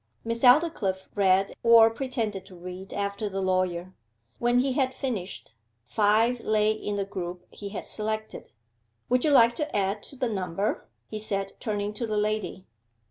Miss Aldclyffe read, or pretended to read after the lawyer. When he had finished, five lay in the group he had selected. 'Would you like to add to the number?' he said, turning to the lady.